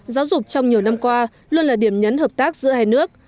giáo dục trong nhiều năm qua luôn là điểm nhấn hợp tác giữa hai nước